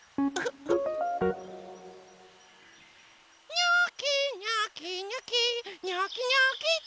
にょきにょきにょきにょきにょきと！